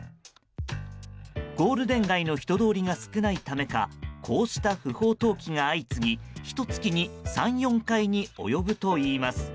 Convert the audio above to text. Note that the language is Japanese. ゴールデン街の人通りが少ないためかこうした不法投棄が相次ぎひと月に３４回に及ぶといいます。